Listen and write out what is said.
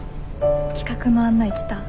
企画の案内来た？